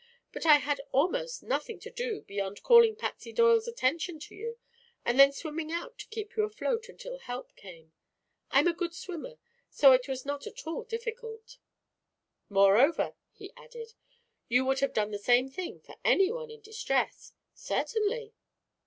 But I had almost nothing to do beyond calling Patsy Doyle's attention to you and then swimming out to keep you afloat until help came. I'm a good swimmer, so it was not at all difficult." "Moreover," he added, "you would have done the same thing for anyone in distress." "Certainly."